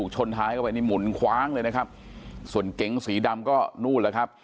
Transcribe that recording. ชนท้ายเข้าไปนี่หมุนคว้างเลยนะครับส่วนเก๋งสีดำก็นู่นแล้วครับ